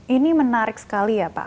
ini menarik sekali ya pak